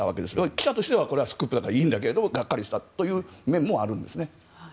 記者としてはスクープだからいいんだけどがっかりしたという面もあるんですね。